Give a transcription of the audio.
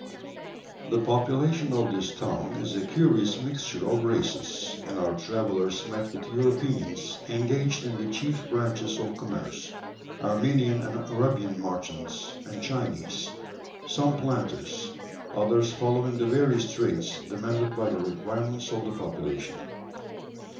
The population of this town is a curious mixture of races, and our travellers met with Europeans engaged in the chief branches of commerce; Armenian and Arabian merchants, and Chinese; some planters, others following the various trades demanded by the requirements of the population.